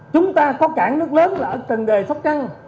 chúng ta có cảng nước lớn là ở cần đề sóc trăng